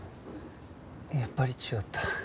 やっぱり違った。